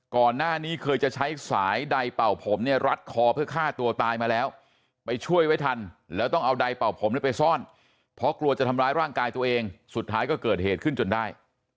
ก่อนหน้านี้เคยจะใช้สายใดเป่าผมเนี่ยรัดคอเพื่อฆ่าตัวตายมาแล้วไปช่วยไว้ทันแล้วต้องเอาใดเป่าผมไปซ่อนเพราะกลัวจะทำร้ายร่างกายตัวเองสุดท้ายก็เกิดเหตุขึ้นจนได้